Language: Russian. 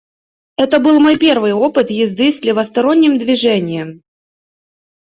Это был мой первый опыт езды с левосторонним движением.